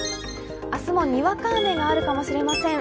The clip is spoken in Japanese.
明日もにわか雨があるかもしれません。